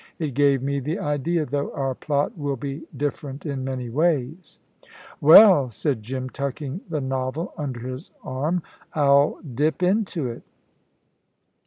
It gave me the idea, though our plot will be different in many ways." "Well," said Jim, tucking the novel under his arm, "I'll dip into it."